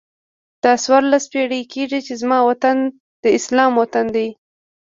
دا څوارلس پیړۍ کېږي چې زما وطن د اسلام وطن دی.